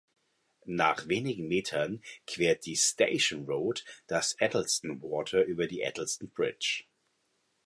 Nach wenigen Metern quert die Station Road das Eddleston Water über die Eddleston Bridge.